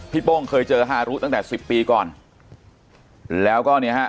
โป้งเคยเจอฮารุตั้งแต่สิบปีก่อนแล้วก็เนี่ยฮะ